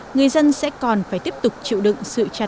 người dân sẽ còn phải tiếp tục chịu đựng sự khai thác đá